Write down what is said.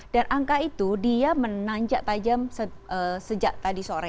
dan angka itu dia menanjak tajam sejak tadi sore